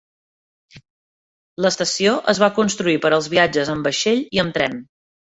L'estació es va construir per als viatges amb vaixell i amb tren.